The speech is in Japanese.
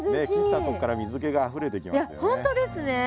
切ったとこから水けがあふれてきますよね。